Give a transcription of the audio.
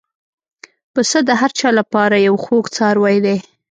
پسه د هر چا له پاره یو خوږ څاروی دی.